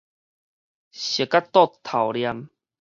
熟甲倒頭唸